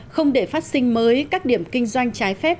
không để phát sinh mới các điểm kinh doanh trái phép